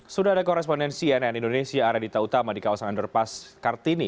sudah ada korespondensi nn indonesia area dita utama di kawasan underpass kartini